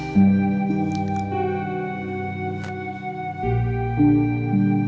contohnya bahwa kejadian apa sih terjadi